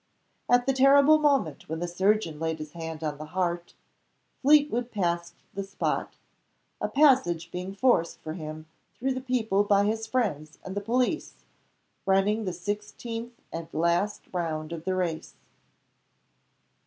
At the terrible moment when the surgeon laid his hand on the heart, Fleetwood passed the spot a passage being forced for him through the people by his friends and the police running the sixteenth and last round of the race.